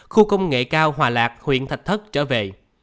khu công nghệ cao hòa lạc huyện thạch thất trở về